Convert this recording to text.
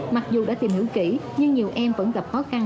mặc dù đã tìm hiểu kỹ nhưng nhiều em vẫn gặp khó khăn